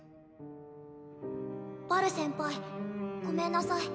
バル先輩ごめんなさい。